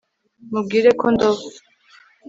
mubwire ko ndoba